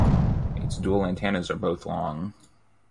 Its dual antennas are both long.